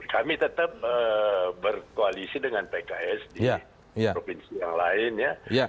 kami tetap berkoalisi dengan pks di provinsi yang lain ya